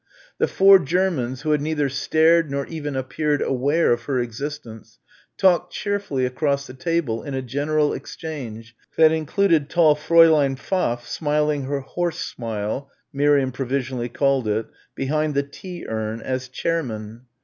The four Germans who had neither stared nor even appeared aware of her existence, talked cheerfully across the table in a general exchange that included tall Fräulein Pfaff smiling her horse smile Miriam provisionally called it behind the tea urn, as chairman.